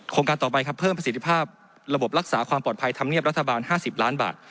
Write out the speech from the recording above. การต่อไปครับเพิ่มประสิทธิภาพระบบรักษาความปลอดภัยธรรมเนียบรัฐบาล๕๐ล้านบาท